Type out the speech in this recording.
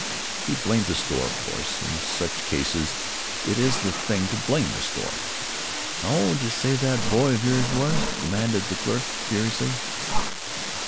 He blamed the store, of course in such cases it is the thing to blame the store. "How old did you say that boy of yours was?" demanded the clerk curiously.